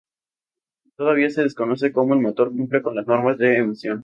Todavía se desconoce cómo el motor cumple con las normas de emisión.